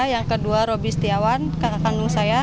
yang kedua roby setiawan kakak kandung saya